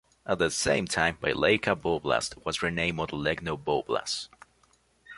At that same time, Vileika Voblast was renamed Molodechno Voblast.